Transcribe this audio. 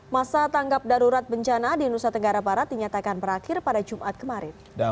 masa tanggap darurat bencana di nusa tenggara barat dinyatakan berakhir pada jumat kemarin